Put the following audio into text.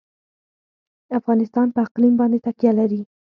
افغانستان په اقلیم باندې تکیه لري.